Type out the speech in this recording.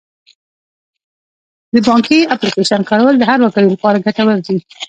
د بانکي اپلیکیشن کارول د هر وګړي لپاره ګټور دي.